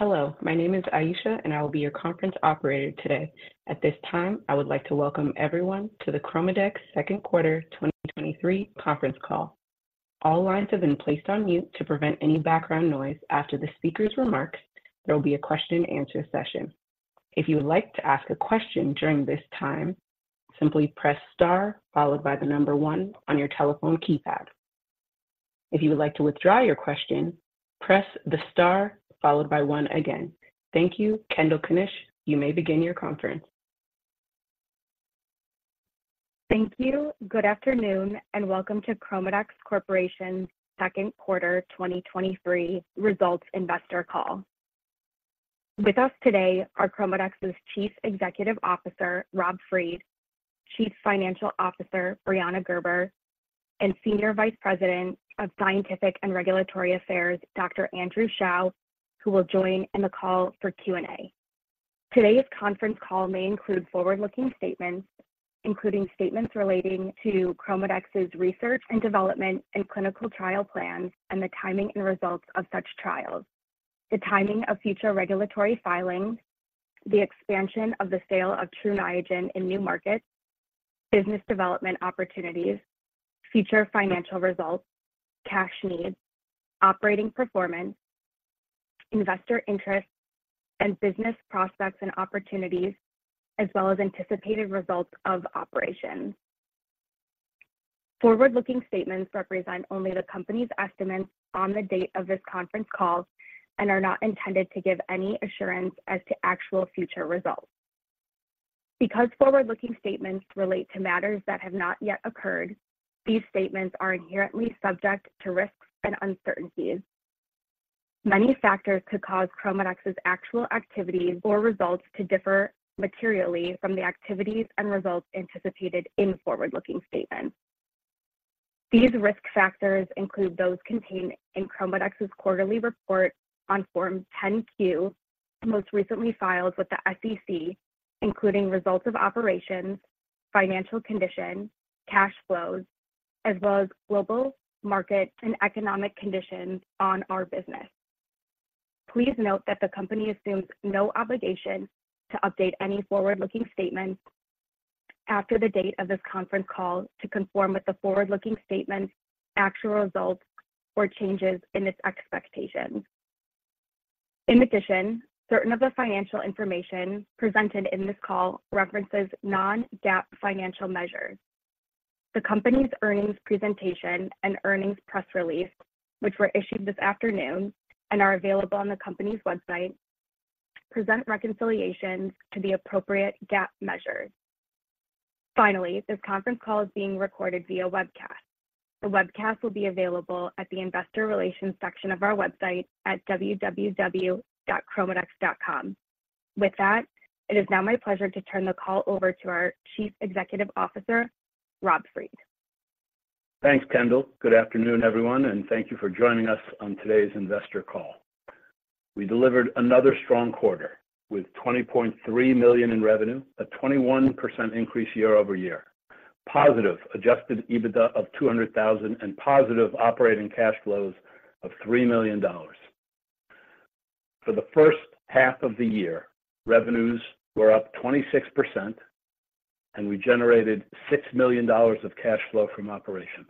Hello, my name is Aisha, and I will be your conference operator today. At this time, I would like to welcome everyone to the ChromaDex Q2 2023 conference call. All lines have been placed on mute to prevent any background noise. After the speaker's remarks, there will be a question and answer session. If you would like to ask a question during this time, simply press star followed by the number one on your telephone keypad. If you would like to withdraw your question, press the star followed by one again. Thank you. Kendall Knysch, you may begin your conference. Thank you. Good afternoon, and welcome to ChromaDex Corporation's Q2 2023 Results Investor Call. With us today are ChromaDex's Chief Executive Officer, Rob Fried; Chief Financial Officer, Brianna Gerber; and Senior Vice President of Scientific and Regulatory Affairs, Dr. Andrew Shao, who will join in the call for Q&A. Today's conference call may include forward-looking statements, including statements relating to ChromaDex's research and development and clinical trial plans, and the timing and results of such trials, the timing of future regulatory filings, the expansion of the sale of Tru Niagen in new markets, business development opportunities, future financial results, cash needs, operating performance, investor interest, and business prospects and opportunities, as well as anticipated results of operations. Forward-looking statements represent only the company's estimates on the date of this conference call and are not intended to give any assurance as to actual future results. Because forward-looking statements relate to matters that have not yet occurred, these statements are inherently subject to risks and uncertainties. Many factors could cause ChromaDex's actual activities or results to differ materially from the activities and results anticipated in forward-looking statements. These risk factors include those contained in ChromaDex's quarterly report on Form 10-Q, most recently filed with the SEC, including results of operations, financial condition, cash flows, as well as global market and economic conditions on our business. Please note that the company assumes no obligation to update any forward-looking statements after the date of this conference call to conform with the forward-looking statement, actual results, or changes in its expectations. In addition, certain of the financial information presented in this call references non-GAAP financial measures. The company's earnings presentation and earnings press release, which were issued this afternoon and are available on the company's website, present reconciliations to the appropriate GAAP measures. Finally, this conference call is being recorded via webcast. The webcast will be available at the investor relations section of our website at www.chromadex.com. With that, it is now my pleasure to turn the call over to our Chief Executive Officer, Rob Fried. Thanks, Kendall. Good afternoon, everyone, and thank you for joining us on today's investor call. We delivered another strong quarter with $20.3 million in revenue, a 21% increase year-over-year, positive Adjusted EBITDA of $200,000, and positive operating cash flows of $3 million. For the first half of the year, revenues were up 26%, and we generated $6 million of cash flow from operations.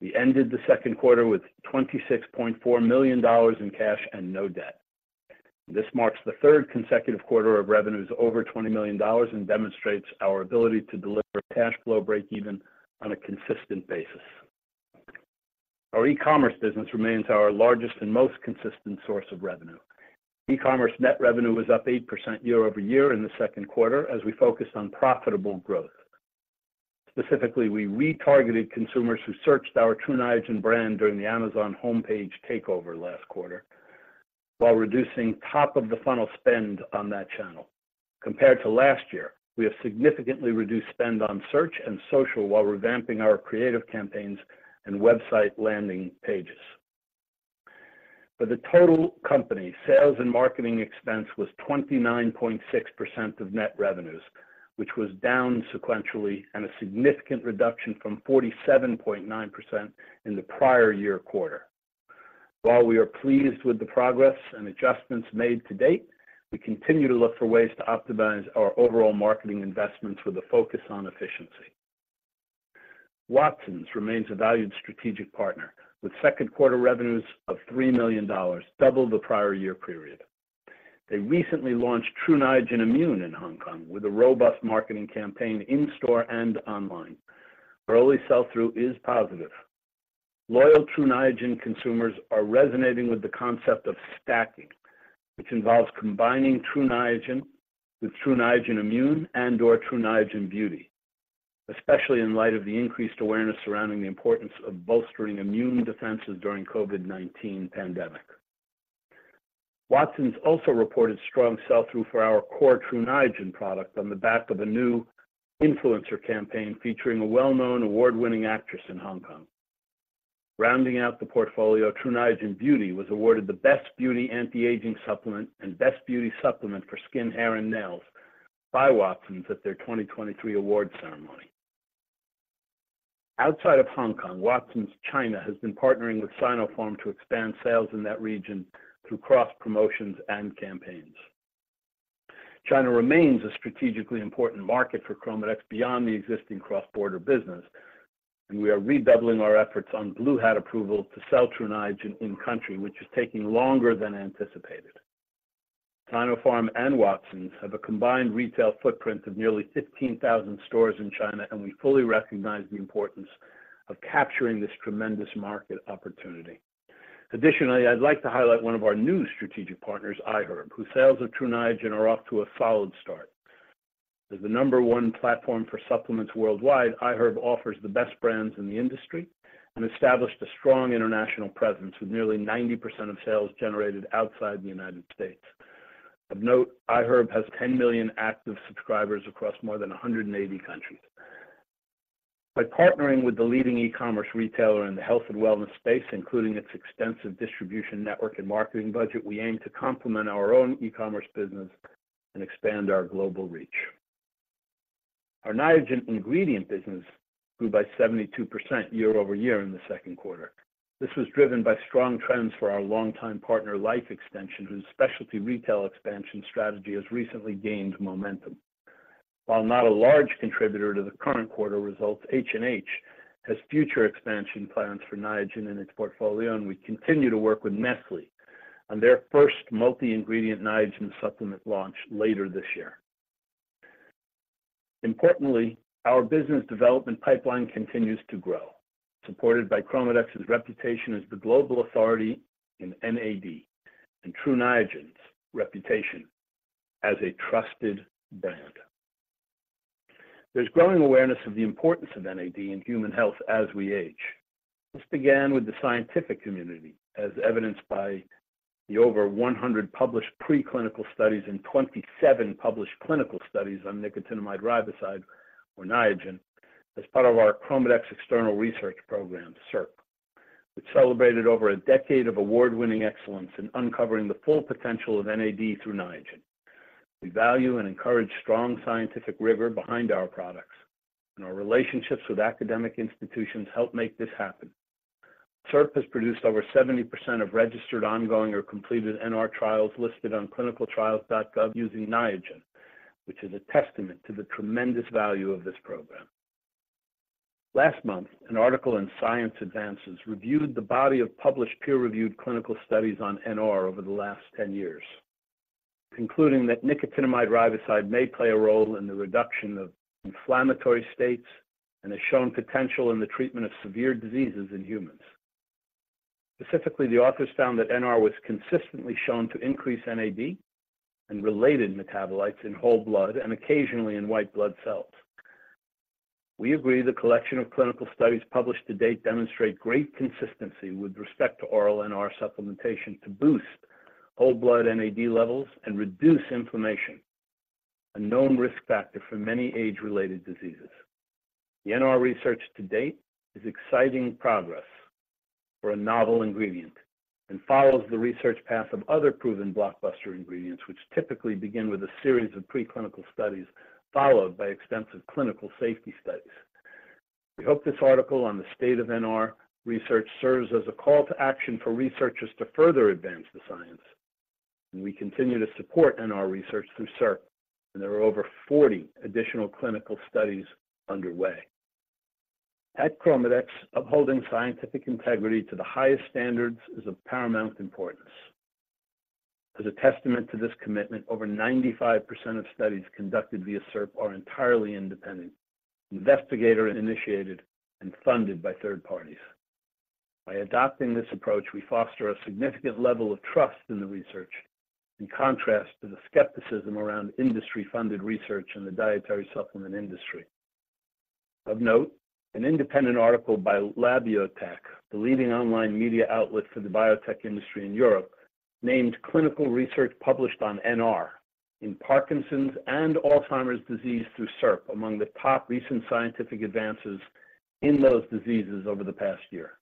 We ended the Q2 with $26.4 million in cash and no debt. This marks the third consecutive quarter of revenues over $20 million and demonstrates our ability to deliver cash flow breakeven on a consistent basis. Our e-commerce business remains our largest and most consistent source of revenue. E-commerce net revenue was up 8% year-over-year in the second quarter as we focused on profitable growth. Specifically, we retargeted consumers who searched our Tru Niagen brand during the Amazon homepage takeover last quarter while reducing top-of-the-funnel spend on that channel. Compared to last year, we have significantly reduced spend on search and social while revamping our creative campaigns and website landing pages. For the total company, sales and marketing expense was 29.6% of net revenues, which was down sequentially and a significant reduction from 47.9% in the prior year quarter. While we are pleased with the progress and adjustments made to date, we continue to look for ways to optimize our overall marketing investment with a focus on efficiency. Watsons remains a valued strategic partner, with Q2 revenues of $3 million, double the prior year period. They recently launched Tru Niagen Immune in Hong Kong with a robust marketing campaign in-store and online. Early sell-through is positive. Loyal Tru Niagen consumers are resonating with the concept of stacking, which involves combining Tru Niagen with Tru Niagen Immune and/or Tru Niagen Beauty, especially in light of the increased awareness surrounding the importance of bolstering immune defenses during COVID-19 pandemic. Watsons also reported strong sell-through for our core Tru Niagen product on the back of a new influencer campaign featuring a well-known award-winning actress in Hong Kong. Rounding out the portfolio, Tru Niagen Beauty was awarded the Best Beauty Anti-Aging Supplement and Best Beauty Supplement for Skin, Hair, and Nails by Watsons at their 2023 awards ceremony. Outside of Hong Kong, Watsons China has been partnering with Sinopharm to expand sales in that region through cross promotions and campaigns. China remains a strategically important market for ChromaDex beyond the existing cross-border business, and we are redoubling our efforts on Blue Hat approval to sell Tru Niagen in country, which is taking longer than anticipated. Sinopharm and Watsons have a combined retail footprint of nearly 15,000 stores in China, and we fully recognize the importance of capturing this tremendous market opportunity. Additionally, I'd like to highlight one of our new strategic partners, iHerb, whose sales of Tru Niagen are off to a solid start. As the number one platform for supplements worldwide, iHerb offers the best brands in the industry and established a strong international presence, with nearly 90% of sales generated outside the United States. Of note, iHerb has 10 million active subscribers across more than 180 countries. By partnering with the leading e-commerce retailer in the health and wellness space, including its extensive distribution network and marketing budget, we aim to complement our own e-commerce business and expand our global reach. Our Niagen ingredient business grew by 72% year-over-year in the Q2. This was driven by strong trends for our longtime partner, Life Extension, whose specialty retail expansion strategy has recently gained momentum. While not a large contributor to the current quarter results, H&H has future expansion plans for Niagen in its portfolio, and we continue to work with Nestlé on their first multi-ingredient Niagen supplement launch later this year. Importantly, our business development pipeline continues to grow, supported by ChromaDex's reputation as the global authority in NAD and Tru Niagen's reputation as a trusted brand. There's growing awareness of the importance of NAD in human health as we age. This began with the scientific community, as evidenced by the over 100 published preclinical studies and 27 published clinical studies on nicotinamide riboside or Niagen, as part of our ChromaDex External Research Program, CERP, which celebrated over a decade of award-winning excellence in uncovering the full potential of NAD through Niagen. We value and encourage strong scientific rigor behind our products, and our relationships with academic institutions help make this happen. CERP has produced over 70% of registered, ongoing, or completed NR trials listed on clinicaltrials.gov using Niagen, which is a testament to the tremendous value of this program. Last month, an article in Science Advances reviewed the body of published peer-reviewed clinical studies on NR over the last 10 years, concluding that nicotinamide riboside may play a role in the reduction of inflammatory states and has shown potential in the treatment of severe diseases in humans. Specifically, the authors found that NR was consistently shown to increase NAD and related metabolites in whole blood and occasionally in white blood cells. We agree the collection of clinical studies published to date demonstrate great consistency with respect to oral NR supplementation to boost whole blood NAD levels and reduce inflammation, a known risk factor for many age-related diseases. The NR research to date is exciting progress for a novel ingredient and follows the research path of other proven blockbuster ingredients, which typically begin with a series of preclinical studies, followed by extensive clinical safety studies. We hope this article on the state of NR research serves as a call to action for researchers to further advance the science, and we continue to support NR research through CERP, and there are over 40 additional clinical studies underway. At ChromaDex, upholding scientific integrity to the highest standards is of paramount importance. As a testament to this commitment, over 95% of studies conducted via CERP are entirely independent, investigator-initiated, and funded by third parties. By adopting this approach, we foster a significant level of trust in the research, in contrast to the skepticism around industry-funded research in the dietary supplement industry. Of note, an independent article by Labiotech, the leading online media outlet for the biotech industry in Europe, named clinical research published on NR in Parkinson's and Alzheimer's disease through CERP among the top recent scientific advances in those diseases over the past year.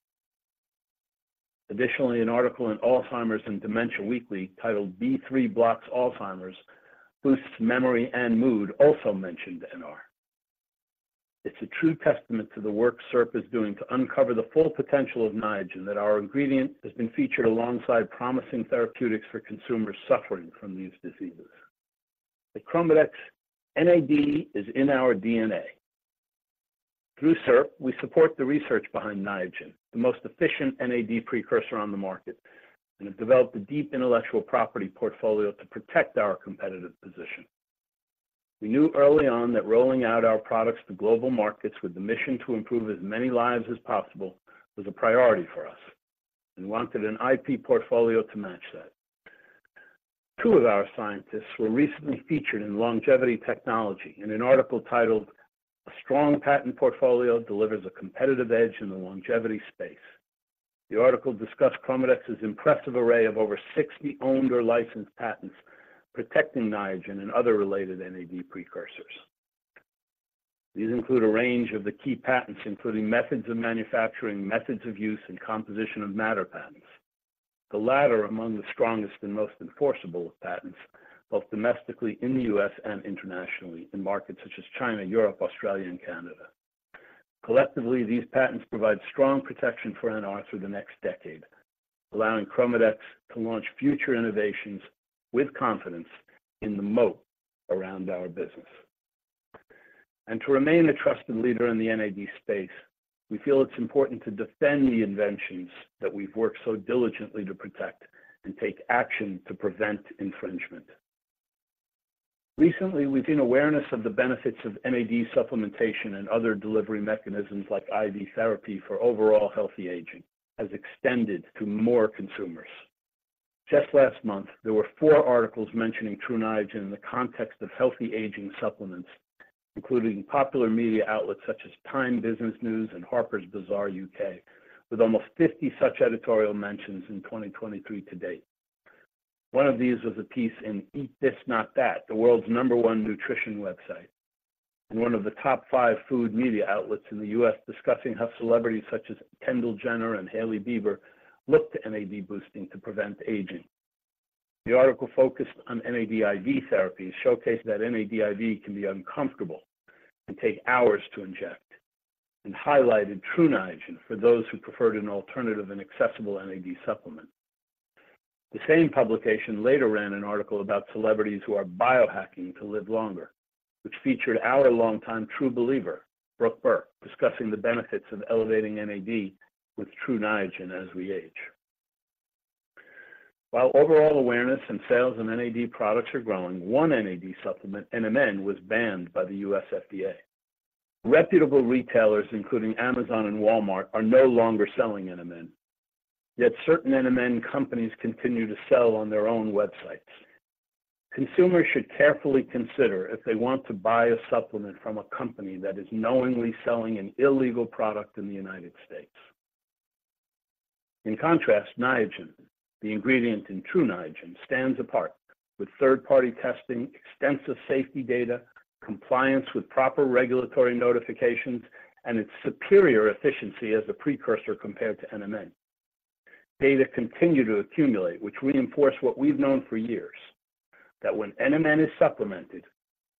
Additionally, an article in Alzheimer's & Dementia Weekly titled B3 Blocks Alzheimer's, Boosts Memory and Mood, also mentioned NR. It's a true testament to the work CERP is doing to uncover the full potential of Niagen that our ingredient has been featured alongside promising therapeutics for consumers suffering from these diseases. At ChromaDex, NAD is in our DNA. Through CERP, we support the research behind Niagen, the most efficient NAD precursor on the market, and have developed a deep intellectual property portfolio to protect our competitive position. We knew early on that rolling out our products to global markets with the mission to improve as many lives as possible was a priority for us and wanted an IP portfolio to match that. Two of our scientists were recently featured in Longevity Technology in an article titled, "A Strong Patent Portfolio Delivers a Competitive Edge in the Longevity Space." The article discussed ChromaDex's impressive array of over 60 owned or licensed patents protecting Niagen and other related NAD precursors. These include a range of the key patents, including methods of manufacturing, methods of use, and composition of matter patents. The latter among the strongest and most enforceable of patents, both domestically in the U.S. and internationally, in markets such as China, Europe, Australia, and Canada. Collectively, these patents provide strong protection for NR through the next decade, allowing ChromaDex to launch future innovations with confidence in the moat around our business. To remain a trusted leader in the NAD space, we feel it's important to defend the inventions that we've worked so diligently to protect and take action to prevent infringement. Recently, we've seen awareness of the benefits of NAD supplementation and other delivery mechanisms like IV therapy for overall healthy aging has extended to more consumers. Just last month, there were four articles mentioning Tru Niagen in the context of healthy aging supplements, including popular media outlets such as Time, Business News, and Harper's Bazaar U.K., with almost 50 such editorial mentions in 2023 to date. One of these was a piece in Eat This, Not That, the world's number one nutrition website, and one of the top five food media outlets in the U.S., discussing how celebrities such as Kendall Jenner and Hailey Bieber look to NAD boosting to prevent aging. The article focused on NAD IV therapy, showcased that NAD IV can be uncomfortable and take hours to inject, and highlighted Tru Niagen for those who preferred an alternative and accessible NAD supplement. The same publication later ran an article about celebrities who are biohacking to live longer, which featured our longtime true believer, Brooke Burke, discussing the benefits of elevating NAD with Tru Niagen as we age. While overall awareness and sales in NAD products are growing, one NAD supplement, NMN, was banned by the U.S. FDA. Reputable retailers, including Amazon and Walmart, are no longer selling NMN. Yet certain NMN companies continue to sell on their own websites. Consumers should carefully consider if they want to buy a supplement from a company that is knowingly selling an illegal product in the United States. In contrast, Niagen, the ingredient in Tru Niagen, stands apart with third-party testing, extensive safety data, compliance with proper regulatory notifications, and its superior efficiency as a precursor compared to NMN. Data continue to accumulate, which reinforce what we've known for years, that when NMN is supplemented,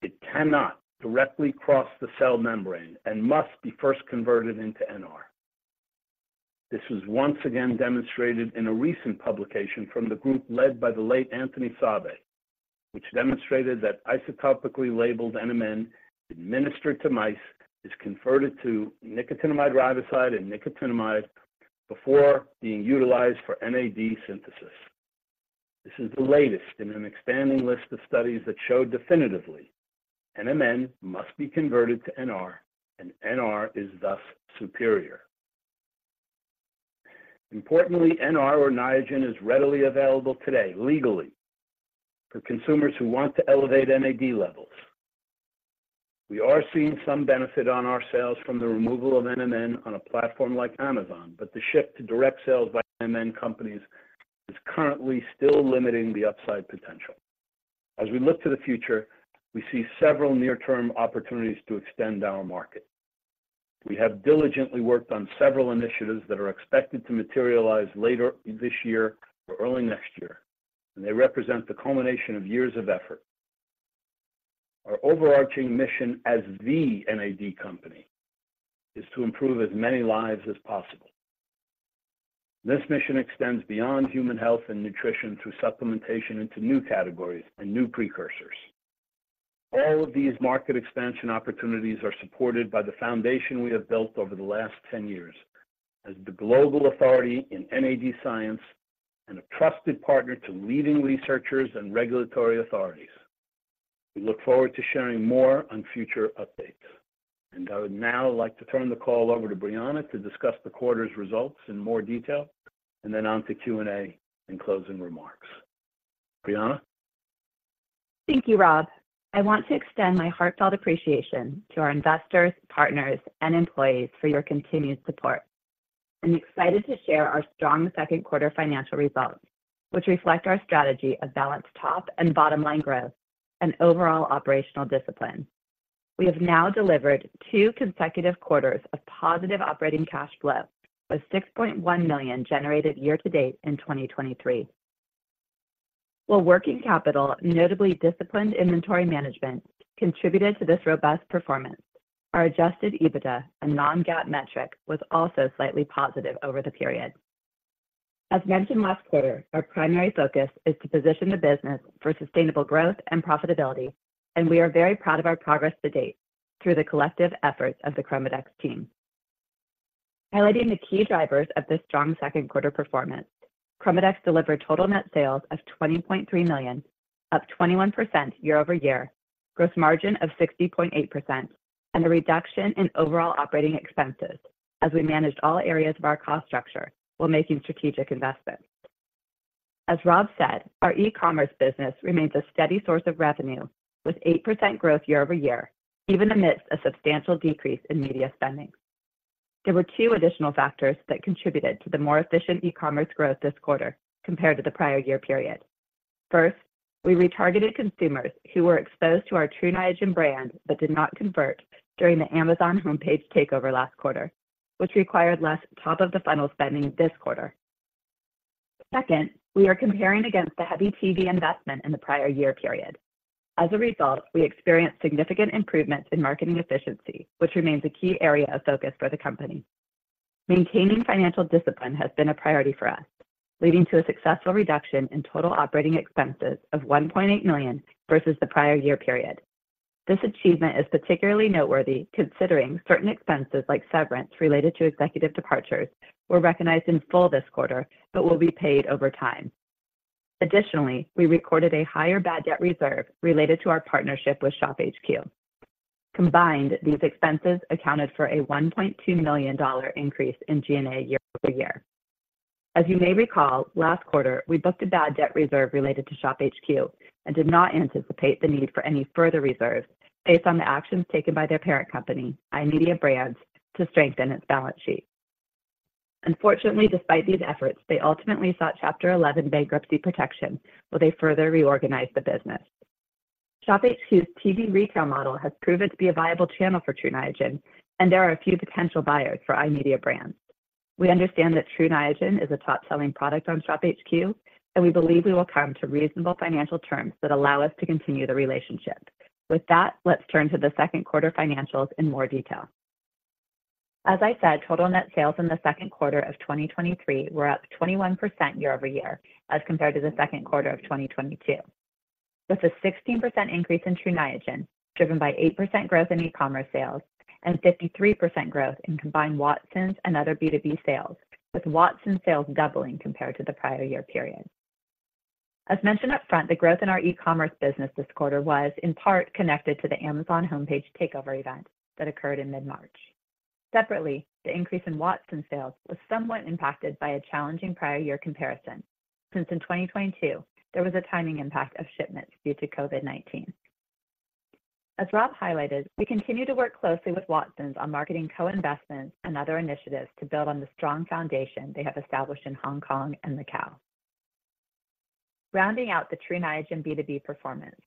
it cannot directly cross the cell membrane and must be first converted into NR. This was once again demonstrated in a recent publication from the group led by the late Anthony Sabe, which demonstrated that isotopically labeled NMN administered to mice is converted to nicotinamide riboside and nicotinamide before being utilized for NAD synthesis. This is the latest in an expanding list of studies that show definitively NMN must be converted to NR, and NR is thus superior. Importantly, NR or Niagen is readily available today, legally, for consumers who want to elevate NAD levels. We are seeing some benefit on our sales from the removal of NMN on a platform like Amazon, but the shift to direct sales by NMN companies is currently still limiting the upside potential. As we look to the future, we see several near-term opportunities to extend our market. We have diligently worked on several initiatives that are expected to materialize later this year or early next year, and they represent the culmination of years of effort. Our overarching mission as the NAD company is to improve as many lives as possible. This mission extends beyond human health and nutrition through supplementation into new categories and new precursors. All of these market expansion opportunities are supported by the foundation we have built over the last 10 years as the global authority in NAD science and a trusted partner to leading researchers and regulatory authorities. We look forward to sharing more on future updates. I would now like to turn the call over to Brianna to discuss the quarter's results in more detail, and then on to Q&A and closing remarks. Brianna? Thank you, Rob. I want to extend my heartfelt appreciation to our investors, partners, and employees for your continued support. I'm excited to share our strong Q2 financial results, which reflect our strategy of balanced top and bottom-line growth and overall operational discipline. We have now delivered two consecutive quarters of positive operating cash flow, with $6.1 million generated year to date in 2023. While working capital, notably disciplined inventory management, contributed to this robust performance, our adjusted EBITDA, a non-GAAP metric, was also slightly positive over the period. As mentioned last quarter, our primary focus is to position the business for sustainable growth and profitability, and we are very proud of our progress to date through the collective efforts of the ChromaDex team. Highlighting the key drivers of this strong second quarter performance, ChromaDex delivered total net sales of $20.3 million, up 21% year-over-year, gross margin of 60.8%, and a reduction in overall operating expenses as we managed all areas of our cost structure while making strategic investments. As Rob said, our e-commerce business remains a steady source of revenue, with 8% growth year-over-year, even amidst a substantial decrease in media spending. There were two additional factors that contributed to the more efficient e-commerce growth this quarter compared to the prior year period. First, we retargeted consumers who were exposed to our Tru Niagen brand, but did not convert during the Amazon homepage takeover last quarter, which required less top-of-the-funnel spending this quarter. Second, we are comparing against the heavy TV investment in the prior year period. As a result, we experienced significant improvements in marketing efficiency, which remains a key area of focus for the company. Maintaining financial discipline has been a priority for us, leading to a successful reduction in total operating expenses of $1.8 million versus the prior year period. This achievement is particularly noteworthy, considering certain expenses like severance related to executive departures were recognized in full this quarter, but will be paid over time. Additionally, we recorded a higher bad debt reserve related to our partnership with ShopHQ. Combined, these expenses accounted for a $1.2 million increase in G&A year-over-year. As you may recall, last quarter, we booked a bad debt reserve related to ShopHQ and did not anticipate the need for any further reserves based on the actions taken by their parent company, iMedia Brands, to strengthen its balance sheet. Unfortunately, despite these efforts, they ultimately sought Chapter 11 bankruptcy protection, while they further reorganized the business. ShopHQ's TV retail model has proven to be a viable channel for Tru Niagen, and there are a few potential buyers for iMedia Brands. We understand that Tru Niagen is a top-selling product on ShopHQ, and we believe we will come to reasonable financial terms that allow us to continue the relationship. With that, let's turn to the Q2 financials in more detail. As I said, total net sales in the Q2 of 2023 were up 21% year-over-year as compared to the Q2 of 2022, with a 16% increase in Tru Niagen, driven by 8% growth in e-commerce sales and 53% growth in combined Watsons and other B2B sales, with Watsons sales doubling compared to the prior year period. As mentioned upfront, the growth in our e-commerce business this quarter was in part connected to the Amazon homepage takeover event that occurred in mid-March. Separately, the increase in Watsons sales was somewhat impacted by a challenging prior year comparison, since in 2022, there was a timing impact of shipments due to COVID-19. As Rob highlighted, we continue to work closely with Watsons on marketing co-investments and other initiatives to build on the strong foundation they have established in Hong Kong and Macau. Rounding out the Tru Niagen B2B performance,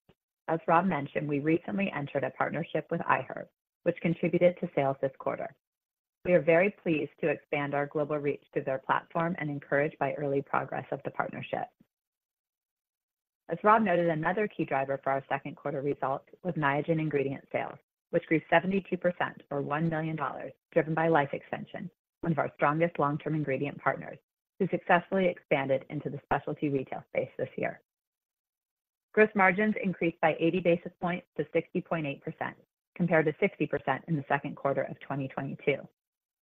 as Rob mentioned, we recently entered a partnership with iHerb, which contributed to sales this quarter. We are very pleased to expand our global reach through their platform and encouraged by early progress of the partnership. As Rob noted, another key driver for our Q2 results was Niagen ingredient sales, which grew 72% or $1 million, driven by Life Extension, one of our strongest long-term ingredient partners, who successfully expanded into the specialty retail space this year. Gross margins increased by 80 basis points to 60.8%, compared to 60% in the Q2 of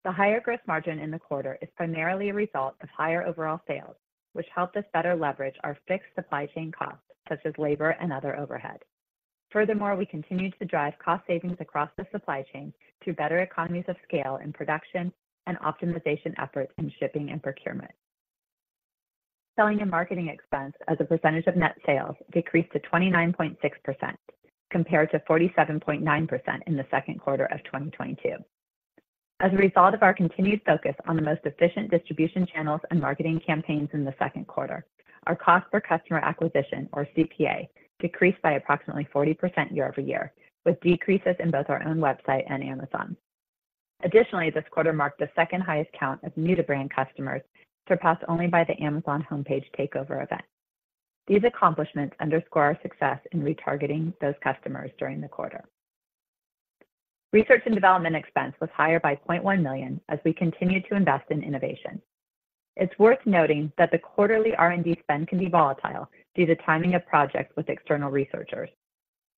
2022. The higher gross margin in the quarter is primarily a result of higher overall sales, which helped us better leverage our fixed supply chain costs, such as labor and other overhead. Furthermore, we continued to drive cost savings across the supply chain through better economies of scale in production and optimization efforts in shipping and procurement. Selling and marketing expense as a percentage of net sales decreased to 29.6%, compared to 47.9% in the Q2 of 2022. As a result of our continued focus on the most efficient distribution channels and marketing campaigns in the Q2, our cost per customer acquisition, or CPA, decreased by approximately 40% year-over-year, with decreases in both our own website and Amazon. Additionally, this quarter marked the second highest count of new-to-brand customers, surpassed only by the Amazon homepage takeover event. These accomplishments underscore our success in retargeting those customers during the quarter. Research and development expense was higher by $0.1 million as we continued to invest in innovation. It's worth noting that the quarterly R&D spend can be volatile due to timing of projects with external researchers.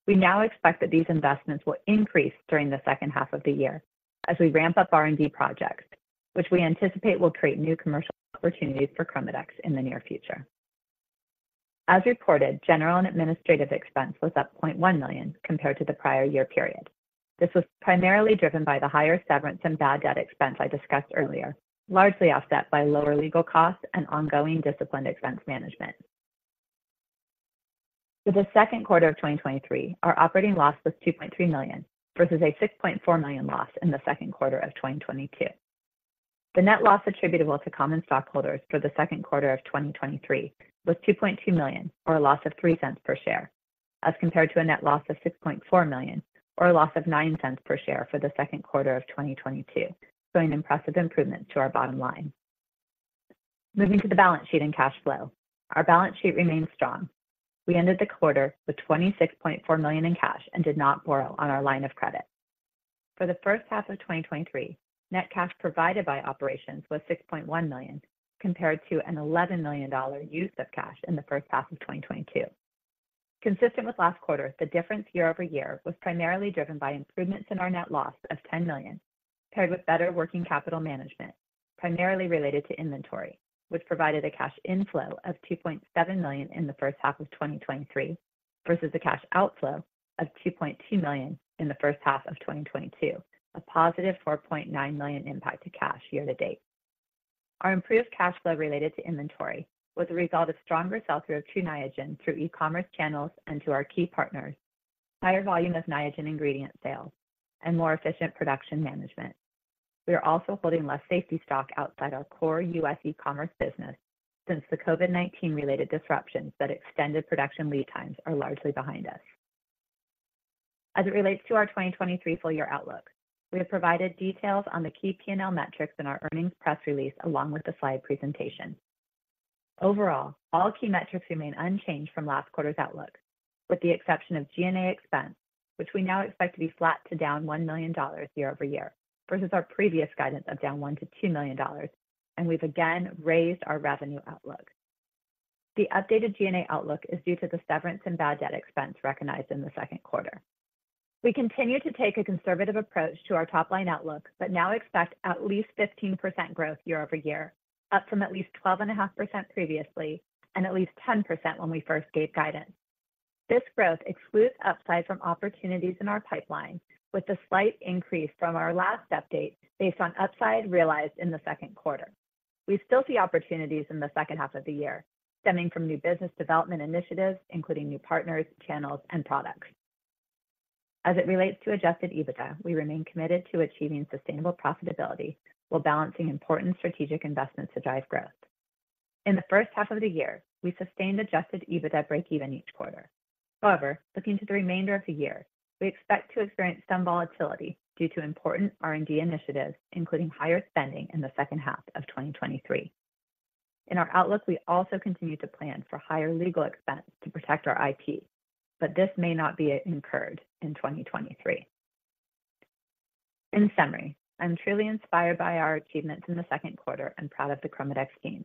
We now expect that these investments will increase during the second half of the year as we ramp up R&D projects, which we anticipate will create new commercial opportunities for ChromaDex in the near future. As reported, general and administrative expense was up $0.1 million compared to the prior year period. This was primarily driven by the higher severance and bad debt expense I discussed earlier, largely offset by lower legal costs and ongoing disciplined expense management. For the Q2 of 2023, our operating loss was $2.3 million, versus a $6.4 million loss in the Q2 of 2022. The net loss attributable to common stockholders for the Q2 of 2023 was $2.2 million, or a loss of $0.03 per share, as compared to a net loss of $6.4 million, or a loss of $0.09 per share for the Q2 of 2022, showing impressive improvement to our bottom line. Moving to the balance sheet and cash flow. Our balance sheet remains strong. We ended the quarter with $26.4 million in cash and did not borrow on our line of credit. For the first half of 2023, net cash provided by operations was $6.1 million, compared to an $11 million use of cash in the first half of 2022. Consistent with last quarter, the difference year over year was primarily driven by improvements in our net loss of $10 million, paired with better working capital management, primarily related to inventory, which provided a cash inflow of $2.7 million in the first half of 2023, versus a cash outflow of $2.2 million in the first half of 2022, a positive $4.9 million impact to cash year to date. Our improved cash flow related to inventory was a result of stronger sell-through of Tru Niagen through e-commerce channels and to our key partners, higher volume of Niagen ingredient sales, and more efficient production management. We are also holding less safety stock outside our core U.S. e-commerce business since the COVID-19 related disruptions that extended production lead times are largely behind us. As it relates to our 2023 full year outlook, we have provided details on the key P&L metrics in our earnings press release, along with the slide presentation. Overall, all key metrics remain unchanged from last quarter's outlook, with the exception of G&A expense, which we now expect to be flat to down $1 million year-over-year, versus our previous guidance of down $1 million -$2 million, and we've again raised our revenue outlook. The updated G&A outlook is due to the severance and bad debt expense recognized in the Q2. We continue to take a conservative approach to our top-line outlook, but now expect at least 15% growth year-over-year, up from at least 12.5% previously and at least 10% when we first gave guidance. This growth excludes upside from opportunities in our pipeline, with a slight increase from our last update based on upside realized in the Q2. We still see opportunities in the second half of the year, stemming from new business development initiatives, including new partners, channels, and products. As it relates to Adjusted EBITDA, we remain committed to achieving sustainable profitability while balancing important strategic investments to drive growth. In the first half of the year, we sustained Adjusted EBITDA breakeven each quarter. However, looking to the remainder of the year, we expect to experience some volatility due to important R&D initiatives, including higher spending in the second half of 2023. In our outlook, we also continue to plan for higher legal expenses to protect our IP, but this may not be incurred in 2023. In summary, I'm truly inspired by our achievements in the Q2 and proud of the ChromaDex team.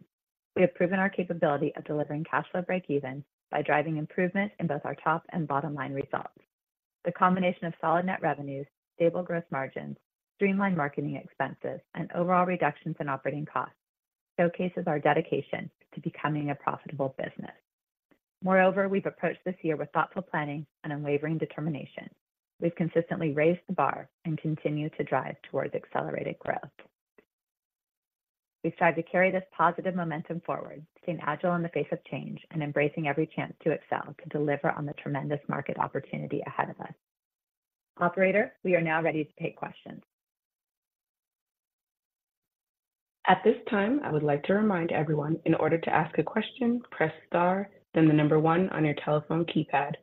We have proven our capability of delivering cash flow breakeven by driving improvement in both our top and bottom line results. The combination of solid net revenues, stable growth margins, streamlined marketing expenses, and overall reductions in operating costs showcases our dedication to becoming a profitable business. Moreover, we've approached this year with thoughtful planning and unwavering determination. We've consistently raised the bar and continue to drive towards accelerated growth. We strive to carry this positive momentum forward, staying agile in the face of change and embracing every chance to excel, to deliver on the tremendous market opportunity ahead of us. Operator, we are now ready to take questions. At this time, I would like to remind everyone, in order to ask a question, press star, then the number one on your telephone keypad.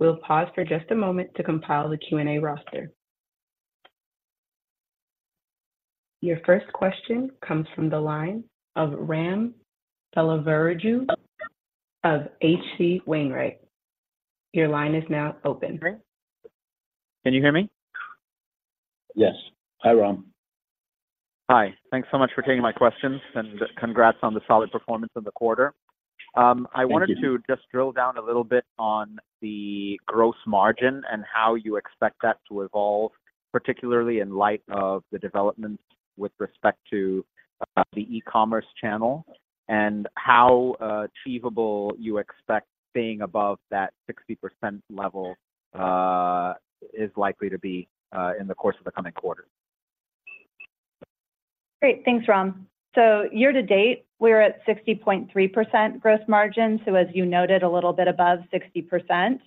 We'll pause for just a moment to compile the Q&A roster. Your first question comes from the line of Ram Selvaraju of H.C. Wainwright. Your line is now open. Can you hear me? Yes. Hi, Ram. Hi. Thanks so much for taking my questions, and congrats on the solid performance in the quarter. Thank you. I wanted to just drill down a little bit on the gross margin and how you expect that to evolve, particularly in light of the developments with respect to the e-commerce channel, and how achievable you expect being above that 60% level is likely to be in the course of the coming quarter? Great. Thanks, Ram. So year to date, we're at 60.3% gross margin, so as you noted, a little bit above 60%,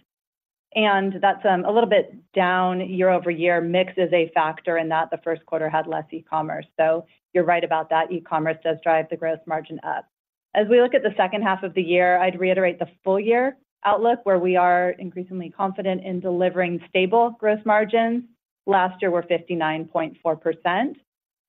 and that's a little bit down year-over-year. Mix is a factor in that. The Q1 had less e-commerce, so you're right about that. E-commerce does drive the gross margin up. As we look at the second half of the year, I'd reiterate the full year outlook, where we are increasingly confident in delivering stable growth margins. Last year, were 59.4%.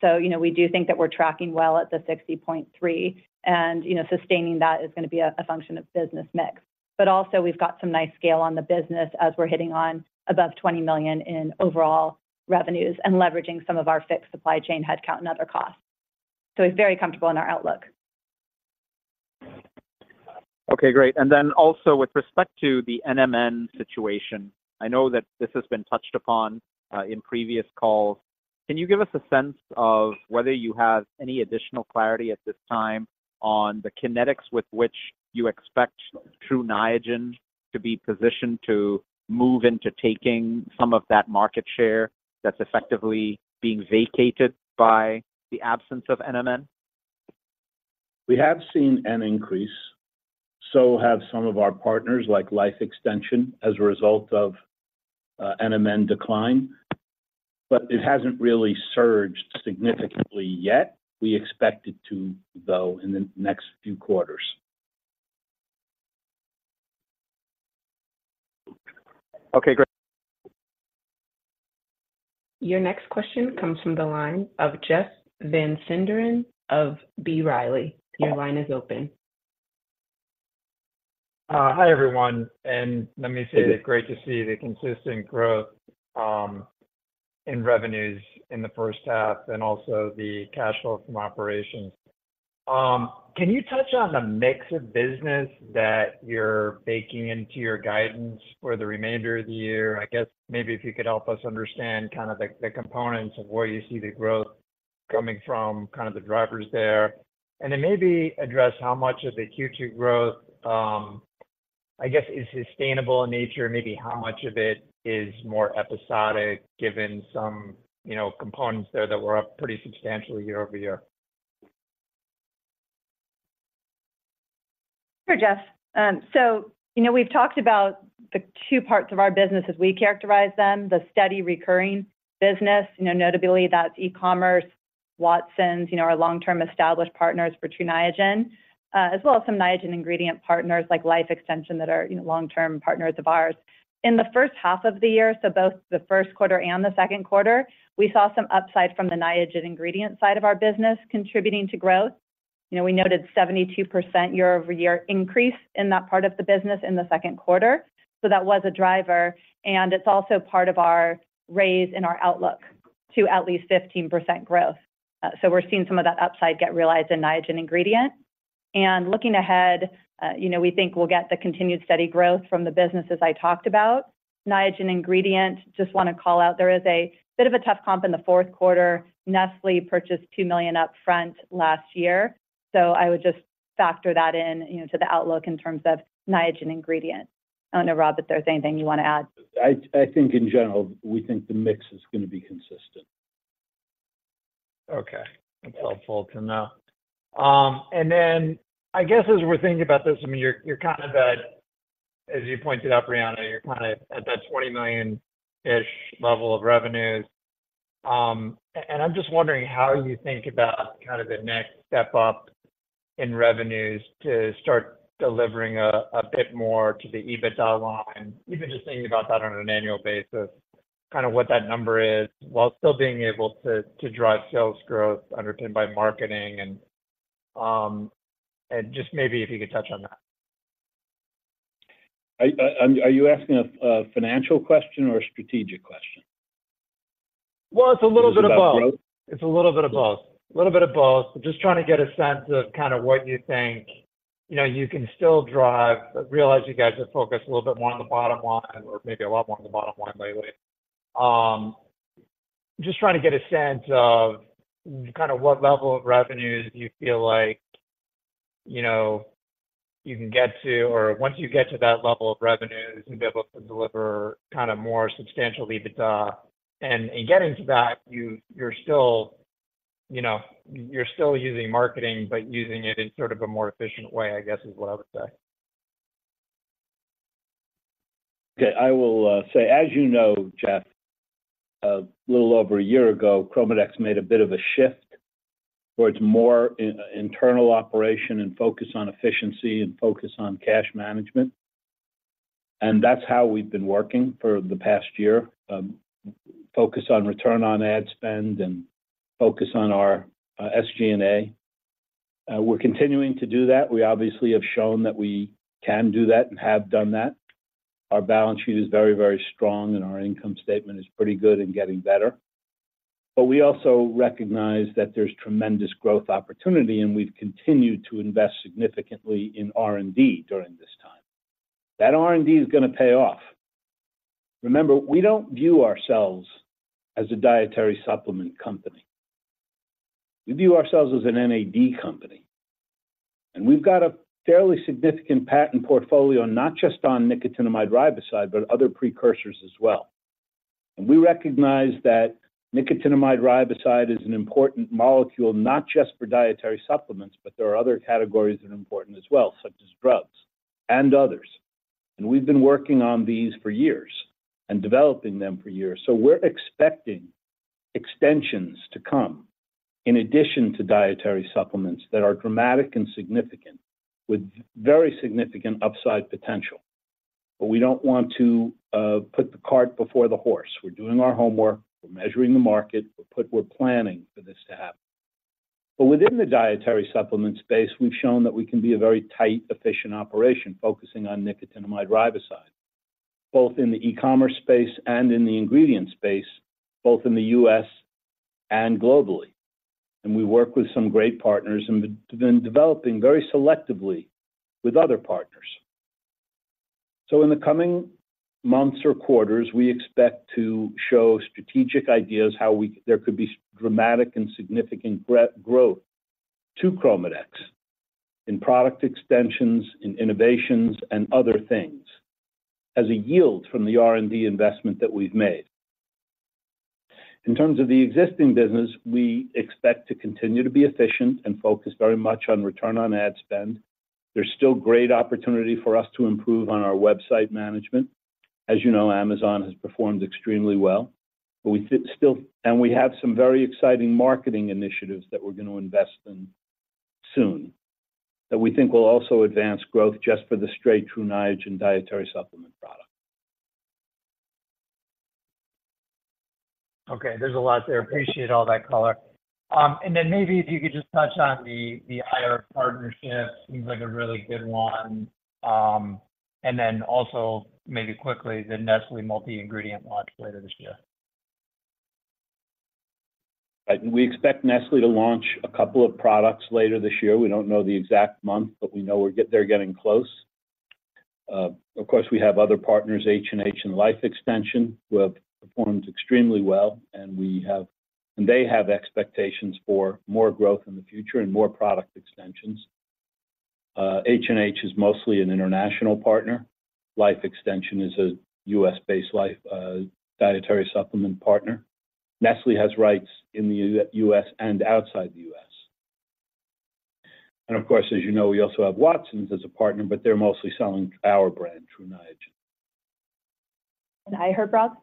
So, you know, we do think that we're tracking well at the 60.3%, and, you know, sustaining that is gonna be a function of business mix. But also, we've got some nice scale on the business as we're hitting on above $20 million in overall revenues and leveraging some of our fixed supply chain, headcount, and other costs. So it's very comfortable in our outlook. Okay, great. And then also with respect to the NMN situation, I know that this has been touched upon in previous calls. Can you give us a sense of whether you have any additional clarity at this time on the kinetics with which you expect Tru Niagen to be positioned to move into taking some of that market share that's effectively being vacated by the absence of NMN? We have seen an increase, so have some of our partners, like Life Extension, as a result of NMN decline, but it hasn't really surged significantly yet. We expect it to, though, in the next few quarters. Okay, great. Your next question comes from the line of Jeff Van Sinderen of B. Riley. Your line is open. Hi, everyone, and let me say Hey it's great to see the consistent growth in revenues in the first half and also the cash flow from operations. Can you touch on the mix of business that you're baking into your guidance for the remainder of the year? I guess maybe if you could help us understand kind of the components of where you see the growth coming from, kind of the drivers there. And then maybe address how much of the Q2 growth I guess is sustainable in nature, maybe how much of it is more episodic, given some, you know, components there that were up pretty substantially year-over-year? Sure, Jeff. So you know, we've talked about the key parts of our business as we characterize them, the steady recurring business. You know, notably, that's e-commerce, Watsons, you know, our long-term established partners for Tru Niagen, as well as some Niagen ingredient partners like Life Extension that are, you know, long-term partners of ours. In the first half of the year, so both the Q1 and the Q2, we saw some upside from the Niagen ingredient side of our business contributing to growth. You know, we noted 72% year-over-year increase in that part of the business in the Q2, so that was a driver, and it's also part of our raise in our outlook to at least 15% growth. So we're seeing some of that upside get realized in Niagen ingredient. Looking ahead, you know, we think we'll get the continued steady growth from the businesses I talked about. Niagen ingredient, just want to call out, there is a bit of a tough comp in the Q4. Nestlé purchased $2 million upfront last year, so I would just factor that in, you know, to the outlook in terms of Niagen ingredient. I don't know, Rob, if there's anything you want to add. I think in general, we think the mix is going to be consistent. Okay, that's helpful to know. And then I guess as we're thinking about this, I mean, you're, you're kind of at, as you pointed out, Brianna, you're kind of at that $20 million-ish level of revenues. And I'm just wondering how you think about kind of the next step up in revenues to start delivering a, a bit more to the EBITDA line. Even just thinking about that on an annual basis, kind of what that number is, while still being able to, to drive sales growth underpinned by marketing and, and just maybe if you could touch on that. Are you asking a financial question or a strategic question? Well, it's a little bit of both. About growth? It's a little bit of both. Little bit of both. Just trying to get a sense of kind of what you think, you know, you can still drive... I realize you guys are focused a little bit more on the bottom line or maybe a lot more on the bottom line lately. Just trying to get a sense of kind of what level of revenues you feel like, you know, you can get to, or once you get to that level of revenues, you'll be able to deliver kind of more substantial EBITDA. In getting to that, you, you're still, you know, you're still using marketing, but using it in sort of a more efficient way, I guess, is what I would say. Okay. I will say, as you know, Jeff, a little over a year ago, ChromaDex made a bit of a shift towards more internal operation and focus on efficiency and focus on cash management, and that's how we've been working for the past year. Focus on return on ad spend and focus on our SG&A. We're continuing to do that. We obviously have shown that we can do that and have done that. Our balance sheet is very, very strong, and our income statement is pretty good and getting better. We also recognize that there's tremendous growth opportunity, and we've continued to invest significantly in R&D during this time. That R&D is going to pay off. Remember, we don't view ourselves as a dietary supplement company. We view ourselves as an NAD company, and we've got a fairly significant patent portfolio, not just on nicotinamide riboside, but other precursors as well. We recognize that nicotinamide riboside is an important molecule, not just for dietary supplements, but there are other categories that are important as well, such as drugs and others. We've been working on these for years and developing them for years. We're expecting extensions to come, in addition to dietary supplements, that are dramatic and significant, with very significant upside potential. But we don't want to put the cart before the horse. We're doing our homework. We're measuring the market. We're planning for this to happen. But within the dietary supplement space, we've shown that we can be a very tight, efficient operation, focusing on nicotinamide riboside, both in the e-commerce space and in the ingredient space, both in the U.S. and globally. We work with some great partners and have been developing very selectively with other partners. In the coming months or quarters, we expect to show strategic ideas how there could be dramatic and significant growth to ChromaDex in product extensions, in innovations, and other things as a yield from the R&D investment that we've made. In terms of the existing business, we expect to continue to be efficient and focus very much on return on ad spend. There's still great opportunity for us to improve on our website management. As you know, Amazon has performed extremely well, but we still, and we have some very exciting marketing initiatives that we're going to invest in soon, that we think will also advance growth just for the straight Tru Niagen dietary supplement product. Okay, there's a lot there. Appreciate all that color. And then maybe if you could just touch on the, the IR partnership, seems like a really good one. And then also, maybe quickly, the Nestlé multi-ingredient launch later this year. We expect Nestlé to launch a couple of products later this year. We don't know the exact month, but we know they're getting close. Of course, we have other partners, H&H and Life Extension, who have performed extremely well, and they have expectations for more growth in the future and more product extensions. H&H is mostly an international partner. Life Extension is a U.S.-based dietary supplement partner. Nestlé has rights in the U.S. and outside the U.S. And of course, as you know, we also have Watsons as a partner, but they're mostly selling our brand, Tru Niagen. iHerb products?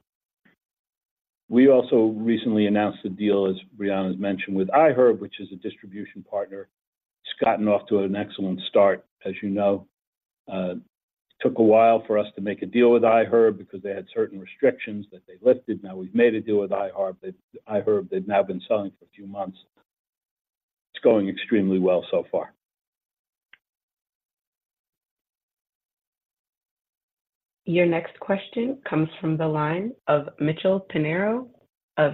We also recently announced a deal, as Brianna's mentioned, with iHerb, which is a distribution partner. It's gotten off to an excellent start. As you know, took a while for us to make a deal with iHerb because they had certain restrictions that they lifted. Now, we've made a deal with iHerb, that iHerb, they've now been selling for a few months. It's going extremely well so far. Your next question comes from the line of Mitchell Pinheiro of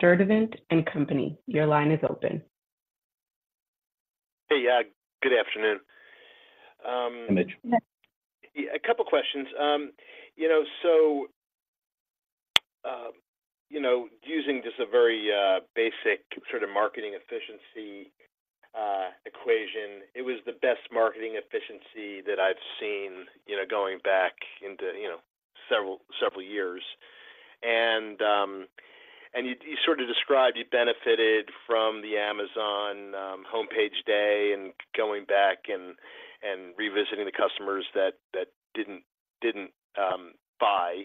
Sturdivant & Company. Your line is open. Hey, yeah, good afternoon. Hey, Mitch. Yeah, a couple questions. You know, so, you know, using just a very basic sort of marketing efficiency equation, it was the best marketing efficiency that I've seen, you know, going back into, you know, several years. And you sort of described you benefited from the Amazon homepage day, and going back and revisiting the customers that didn't buy.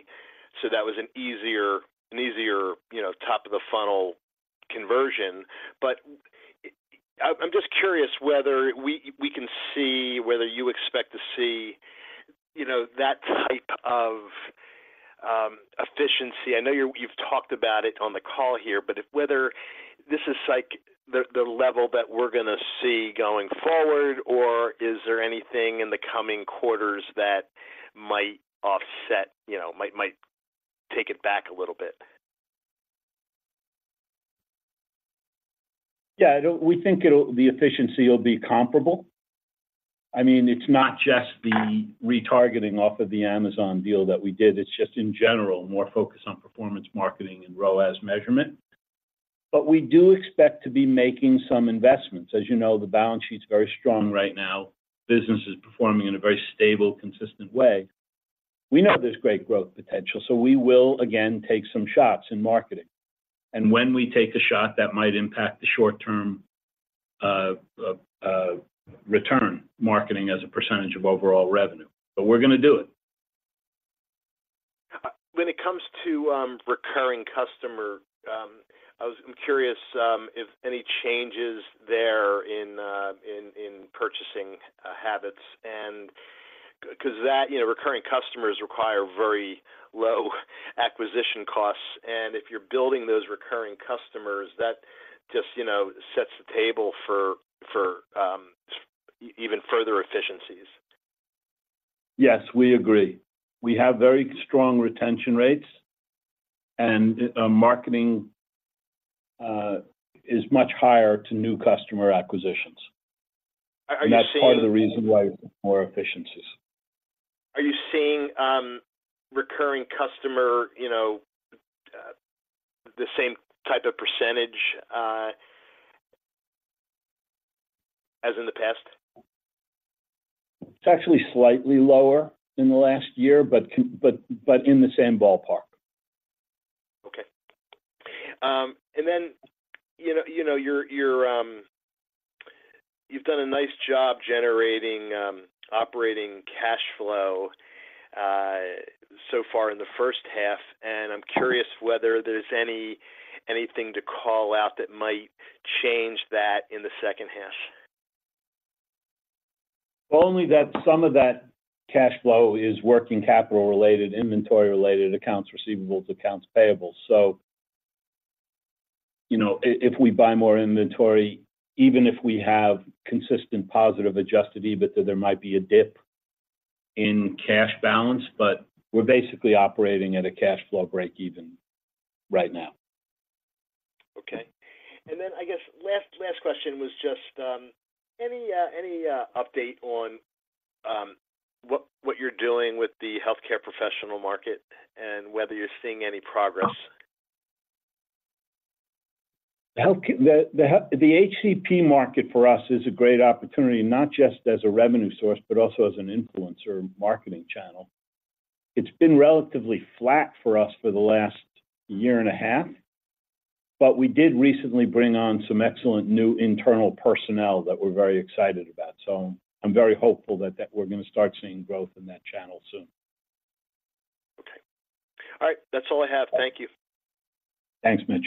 So that was an easier top-of-the-funnel conversion. But I'm just curious whether we can see whether you expect to see, you know, that type of efficiency. I know you've talked about it on the call here, but if whether this is, like, the level that we're gonna see going forward, or is there anything in the coming quarters that might offset, you know, might take it back a little bit? Yeah, we think it'll, the efficiency will be comparable. I mean, it's not just the retargeting off of the Amazon deal that we did. It's just, in general, more focused on performance marketing and ROAS measurement. But we do expect to be making some investments. As you know, the balance sheet's very strong right now. Business is performing in a very stable, consistent way. We know there's great growth potential, so we will again take some shots in marketing. And when we take a shot, that might impact the short-term return, marketing as a percentage of overall revenue, but we're gonna do it. When it comes to recurring customer, I'm curious if any changes there in purchasing habits. 'Cause that, you know, recurring customers require very low acquisition costs, and if you're building those recurring customers, that just, you know, sets the table for even further efficiencies. Yes, we agree. We have very strong retention rates, and marketing is much higher to new customer acquisitions. Are you seeing... That's part of the reason why more efficiencies. Are you seeing recurring customer, you know, the same type of percentage as in the past? It's actually slightly lower in the last year, but in the same ballpark. Okay. And then, you know, you know, you're, you've done a nice job generating operating cash flow so far in the first half, and I'm curious whether there's anything to call out that might change that in the second half. Only that some of that cash flow is working capital-related, inventory-related, accounts receivables, accounts payable. So, you know, if we buy more inventory, even if we have consistent positive adjusted EBITDA, there might be a dip in cash balance, but we're basically operating at a cash flow break even right now. Okay. And then, I guess, last question was just any update on what you're doing with the healthcare professional market and whether you're seeing any progress? The HCP market for us is a great opportunity, not just as a revenue source, but also as an influencer marketing channel. It's been relatively flat for us for the last year and a half, but we did recently bring on some excellent new internal personnel that we're very excited about. So I'm very hopeful that we're gonna start seeing growth in that channel soon. Okay. All right. That's all I have. Thank you. Thanks, Mitch.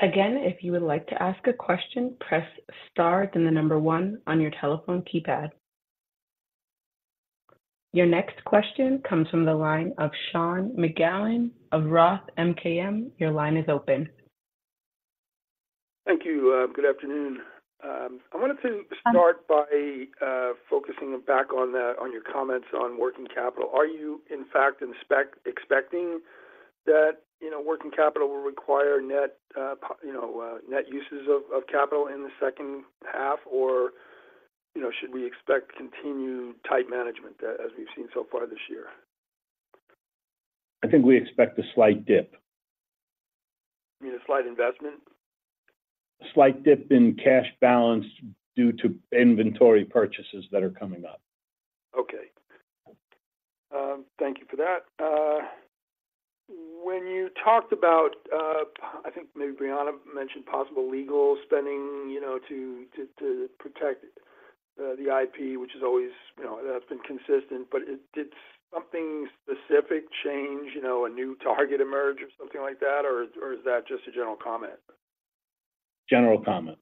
Again, if you would like to ask a question, press star, then the number one on your telephone keypad. Your next question comes from the line of Sean McGowan of Roth MKM. Your line is open. Thank you. Good afternoon. I wanted to- Hi... start by focusing back on the, on your comments on working capital. Are you, in fact, expecting that, you know, working capital will require net, you know, net uses of capital in the second half? Or, you know, should we expect continued tight management as we've seen so far this year? I think we expect a slight dip. You mean a slight investment? Slight dip in cash balance due to inventory purchases that are coming up. Okay. Thank you for that. When you talked about, I think maybe Brianna mentioned possible legal spending, you know, to protect the IP, which is always, you know, that's been consistent, but did something specific change, you know, a new target emerge or something like that, or is that just a general comment? General comment.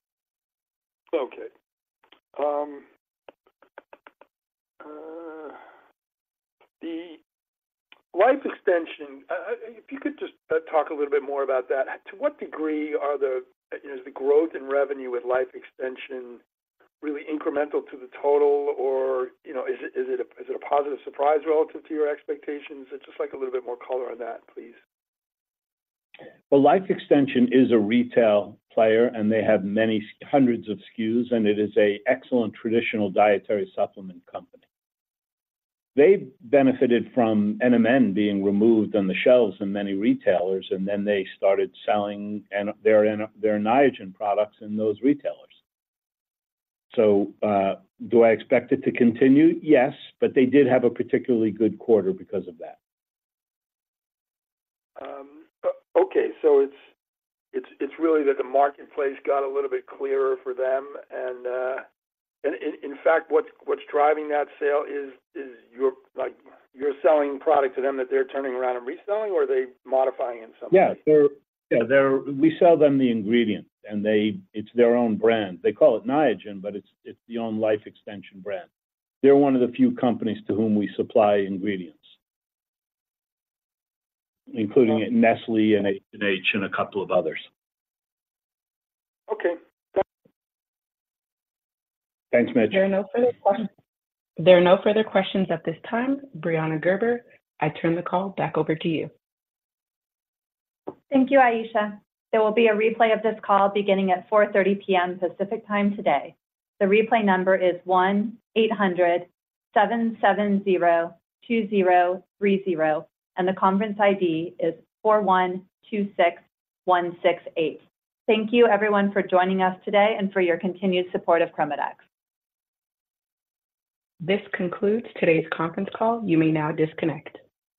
Okay. The Life Extension, if you could just talk a little bit more about that. To what degree are the, you know, is the growth in revenue with Life Extension really incremental to the total? Or, you know, is it a positive surprise relative to your expectations? It's just like a little bit more color on that, please. Well, Life Extension is a retail player, and they have many hundreds of SKUs, and it is an excellent traditional dietary supplement company. They benefited from NMN being removed on the shelves in many retailers, and then they started selling their Niagen products in those retailers. So, do I expect it to continue? Yes, but they did have a particularly good quarter because of that. Okay. So it's really that the marketplace got a little bit clearer for them, and in fact, what's driving that sale is you're like, you're selling product to them that they're turning around and reselling, or are they modifying in some way? Yeah. They're -- we sell them the ingredient, and they... It's their own brand. They call it Niagen, but it's the own Life Extension brand. They're one of the few companies to whom we supply ingredients, including Nestlé and H&H and a couple of others. Okay. Thanks, Mitch. There are no further questions. There are no further questions at this time. Brianna Gerber, I turn the call back over to you. Thank you, Aisha. There will be a replay of this call beginning at 4:30 P.M. Pacific Time today. The replay number is 1-800-770-2030, and the conference ID is 4126168. Thank you, everyone, for joining us today and for your continued support of ChromaDex. This concludes today's conference call. You may now disconnect.